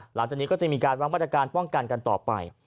หลังจากนี้ก็จะมีการวางมาตรการป้องกันกันต่อไป